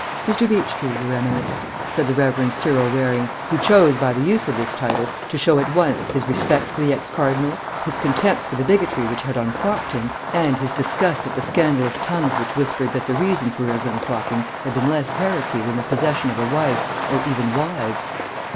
"Mr. Beechtree, Your Eminence," said the Reverend Cyril Waring, who chose by the use of this title to show at once his respect for the ex cardinal, his contempt for the bigotry which had unfrocked him, and his disgust at the scandalous tongues which whispered that the reason for his unfrocking had been less heresy than the possession of a wife, or even wives.